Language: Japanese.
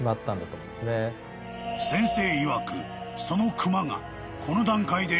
［先生いわくそのクマがこの段階で］